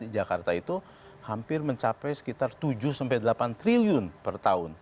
jakarta itu hampir mencapai sekitar tujuh sampai delapan triliun per tahun